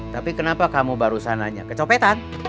tapi kenapa kamu baru saja nanya kecopetan